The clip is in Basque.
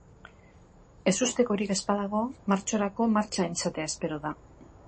Ezustekorik ez badago, martxorako martxan izatea espero da.